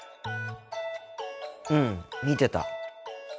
うん見てた。